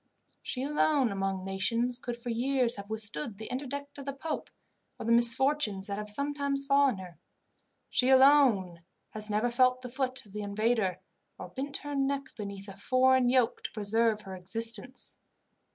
"She alone among nations could for years have withstood the interdict of the pope, or the misfortunes that have sometimes befallen her. She alone has never felt the foot of the invader, or bent her neck beneath a foreign yoke to preserve her existence.